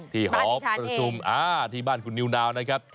หอประชุมที่บ้านคุณนิวนาวนะครับ